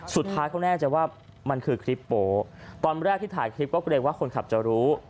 สุดท้ายเขาแน่ใจว่ามันคือคลิปโป๊ตอนแรกที่ถ่ายคลิปก็เกรงว่าคนขับจะรู้